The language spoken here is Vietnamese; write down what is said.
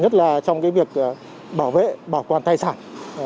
nhất là trong việc bảo vệ bảo quản tài sản